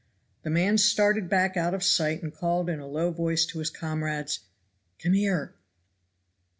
The man started back out of sight and called in a low voice to his comrades, "Come here."